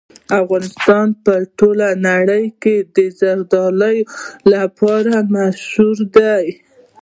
افغانستان په ټوله نړۍ کې د زردالو لپاره مشهور دی.